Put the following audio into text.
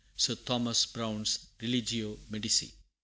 Sir Thomas Browne's Religio Medici.